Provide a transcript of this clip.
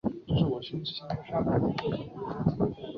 纽纳塔是位于美国阿肯色州斯通县的一个非建制地区。